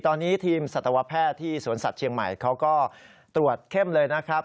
ตอนนี้ทีมสัตวแพทย์ที่สวนสัตว์เชียงใหม่เขาก็ตรวจเข้มเลยนะครับ